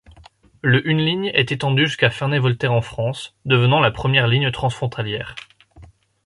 Le une ligne est étendue jusqu'à Ferney-Voltaire en France, devenant la première ligne transfrontalière.